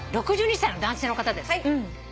６２歳の男性の方です。